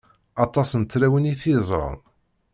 Aṭas n tlawin i t-yeẓṛan.